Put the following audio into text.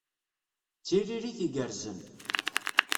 D tiririt igerrzen.